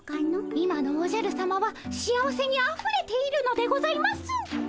今のおじゃるさまは幸せにあふれているのでございます。